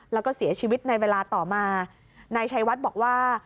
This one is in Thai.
แล้วก็เสียชีวิตในเวลาต่อมานายชัยวัดบอกว่า